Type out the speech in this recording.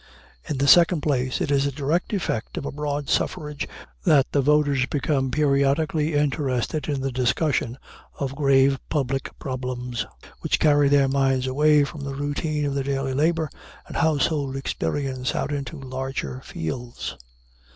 In the second place, it is a direct effect of a broad suffrage that the voters become periodically interested in the discussion of grave public problems, which carry their minds away from the routine of their daily labor and household experience out into larger fields.